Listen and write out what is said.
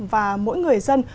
và mỗi người dân